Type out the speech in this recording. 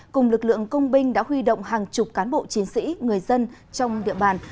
cùng lực lượng công binh đã huy động hàng chục cán bộ chiến sĩ người dân trong địa bàn